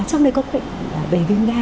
trong đây có bệnh về viêm gan